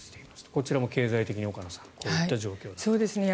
こちらも生活的に岡野さん、こういう状況と。